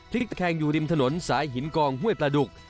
ตะแคงอยู่ริมถนนสายหินกองห้วยปลาดุก